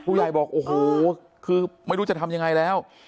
บอกโอ้โหคือไม่รู้จะทำยังไงแล้ว